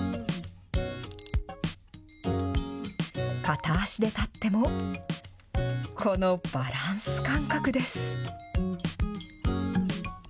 片足で立っても、このバランス感覚です。